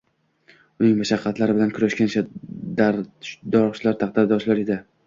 uning mashaqqatlari bilan kurashgan darddosh, taqdirdosh edilar.